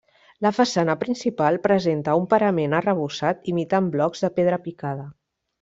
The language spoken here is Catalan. La façana principal presenta un parament arrebossat imitant blocs de pedra picada.